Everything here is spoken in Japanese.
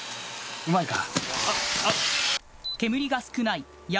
うまいな。